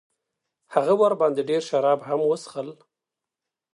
هغه ورباندې ډېر شراب هم وڅښل.